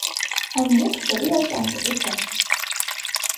Այն ունի փշերի և ճանկերի ձև։